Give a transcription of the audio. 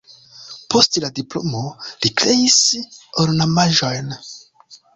Post la diplomo li kreis ornamaĵojn.